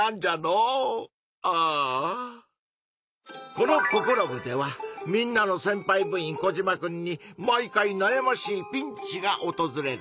この「ココロ部！」ではみんなのせんぱい部員コジマくんに毎回なやましいピンチがおとずれる。